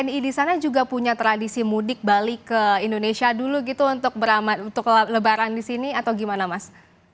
wni di sana juga punya tradisi mudik balik ke indonesia dulu gitu untuk lebaran di sini atau gimana mas